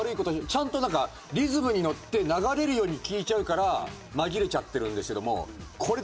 ちゃんとなんかリズムに乗って流れるように聴いちゃうから紛れちゃってるんですけども。